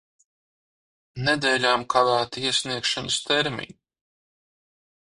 Nedēļām kavēti iesniegšanas termiņi.